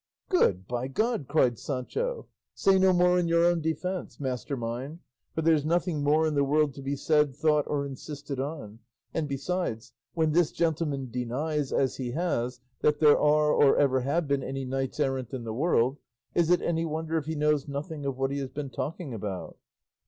"Good, by God!" cried Sancho; "say no more in your own defence, master mine, for there's nothing more in the world to be said, thought, or insisted on; and besides, when this gentleman denies, as he has, that there are or ever have been any knights errant in the world, is it any wonder if he knows nothing of what he has been talking about?"